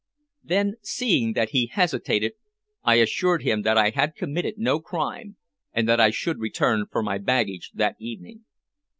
Then, seeing that he hesitated, I assured him that I had committed no crime, and that I should return for my baggage that evening.